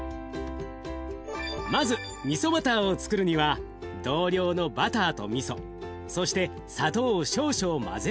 まずみそバターをつくるには同量のバターとみそそして砂糖を少々混ぜ合わせます。